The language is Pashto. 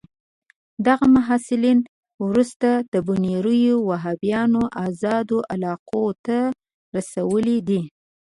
دغه محصلین وروسته د بونیر وهابیانو آزادو علاقو ته رسولي دي.